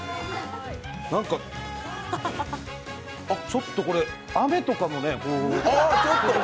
ちょっとこれ、雨とかもね